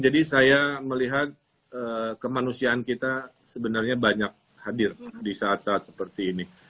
jadi saya melihat kemanusiaan kita sebenarnya banyak hadir di saat saat seperti ini